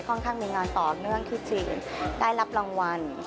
ค่อนข้างมีงานต่อเนื่องที่จริงได้รับรางวัล